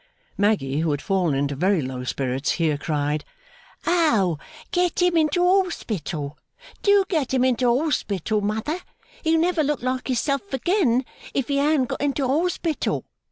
Maggy, who had fallen into very low spirits, here cried, 'Oh get him into a hospital; do get him into a hospital, Mother! He'll never look like hisself again, if he an't got into a hospital.